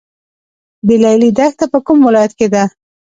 د لیلی دښته په کوم ولایت کې ده؟